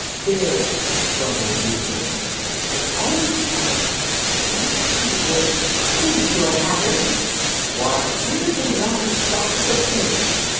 "There!" grumbled Leuthold; "they're always at it. Last time it was, 'Who's your hatter?' Why, we're the laughing stock of the place.